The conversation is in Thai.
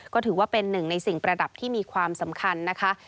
ก็ถือว่าเป็นหนึ่งในสิ่งประดับที่มีความสำคัญนะคะ